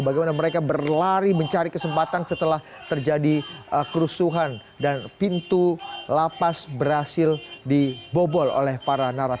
bagaimana mereka berlari mencari kesempatan setelah terjadi kerusuhan dan pintu lapas berhasil dibobol oleh para narasum